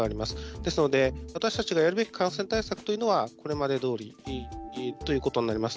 ですので私たちがやるべき感染対策はこれまでどおりということになります。